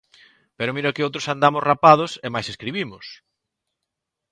Pero mira que outros andamos rapados e mais escribimos.